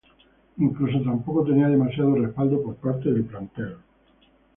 Incluso tampoco tenía demasiado respaldo por parte del plantel.